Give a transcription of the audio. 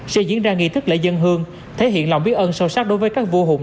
sẽ diễn ra nghị thức lễ dân hương thể hiện lòng biết ơn sâu sắc đối với các vua hùng